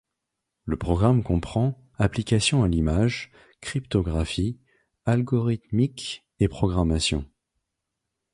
Le programme comprend : application à l’image, cryptographie, algorithmique et programmation.